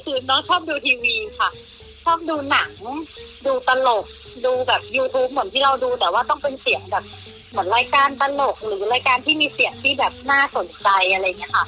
คือน้องชอบดูทีวีค่ะชอบดูหนังดูตลกดูแบบยูทูปเหมือนที่เราดูแต่ว่าต้องเป็นเสียงแบบเหมือนรายการตลกหรือรายการที่มีเสียงที่แบบน่าสนใจอะไรอย่างนี้ค่ะ